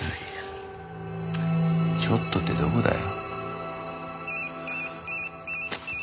ちょっとってどこだよ？